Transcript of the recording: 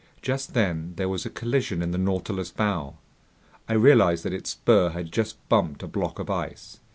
Just then there was a collision in the Nautilus's bow. I realized that its spur had just bumped a block of ice.